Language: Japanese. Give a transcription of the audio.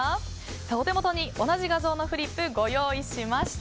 お手元に同じ画像のフリップをご用意しました。